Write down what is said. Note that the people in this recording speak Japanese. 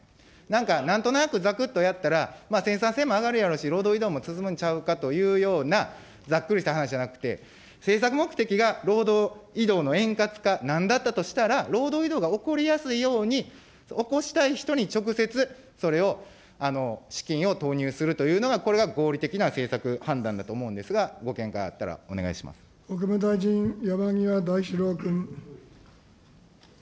なんかなんとなく、ざくっとやったら、生産性も上がるやろうし、労働移動も進むんちゃうかというようなざっくりした話じゃなくて、政策目的が労働移動の円滑化なんだったとしたら、労働移動が起こりやすいように、起こしたい人に直接、それを資金を投入するというのが、これが合理的な政策判断だと思うんですが、ご見解あったらお願い国務大臣、山際大志郎君。